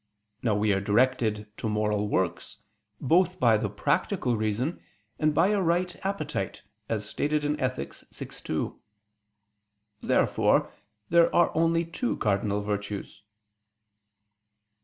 Now we are directed to moral works both by the practical reason, and by a right appetite, as stated in Ethic. vi, 2. Therefore there are only two cardinal virtues.